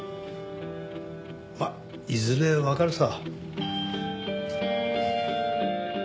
まあいずれわかるさ。